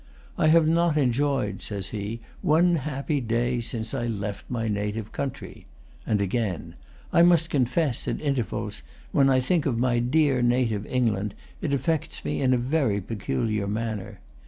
"I have not enjoyed" says he "one happy day since I left my native country"; and again, "I must confess, at intervals, when I think of my dear native England, it affects me in a very peculiar manner....